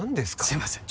すいません